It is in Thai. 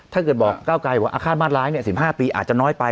ถ้าเกิดบอกก้าวไกลบอกว่าอาฆาตมาตรร้าย๑๕ปีอาจจะน้อยไป